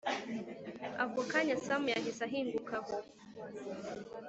ako kanya sam yahise ahinguka aho